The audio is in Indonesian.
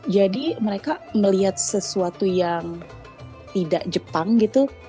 jadi mereka melihat sesuatu yang tidak jepang gitu